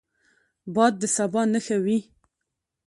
باد د سبا نښه وي